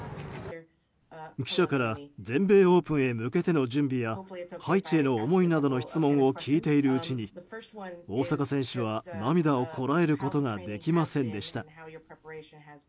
記者から全米オープンへ向けての準備やハイチへの思いなどの質問を聞いているうちに大坂選手は、涙をこらえることができませんでした。